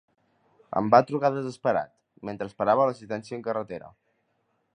Em va trucar desesperat, mentre esperava l'assistència en carretera.